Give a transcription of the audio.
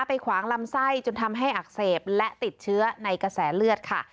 ขวางลำไส้จนทำให้อักเสบและติดเชื้อในกระแสเลือดค่ะ